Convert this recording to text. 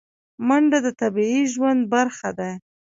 منډه د طبیعي ژوند برخه ده